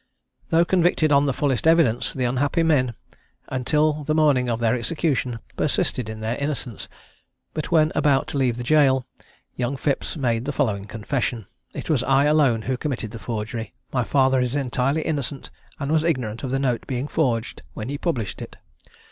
Though convicted on the fullest evidence, the unhappy men, until the morning of their execution, persisted in their innocence; but when about to leave the jail, young Phipps made the following confession: "It was I alone who committed the forgery: my father is entirely innocent, and was ignorant of the note being forged when he published it."